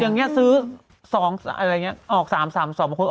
อย่างนี้ซื้อ๒อะไรอย่างนี้ออก๓๓๒บางคน